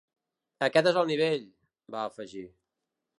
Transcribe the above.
Aquest és el nivell, va afegir.